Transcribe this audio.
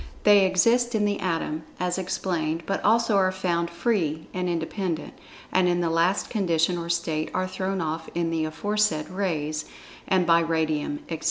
They exist in the Atom, as explained, but also are found "free" and independent, and in the last condition or state are thrown off in the aforesaid "Rays," and by Radium, etc.